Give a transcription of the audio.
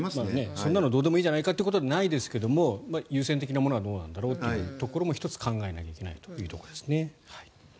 そんなのはどうでもいいじゃないかっていうことではないですけど優先的なものだろうというところも１つ考えなきゃいけないというところですね。